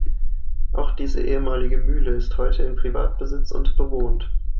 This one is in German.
Auch diese ehemalige Mühle ist heute in Privatbesitz und bewohnt.